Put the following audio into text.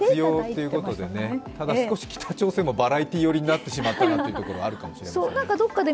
ただ、少し北朝鮮もバラエティー寄りになってしまったなというところもあるかもしれません。